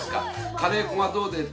カレー粉がどうであ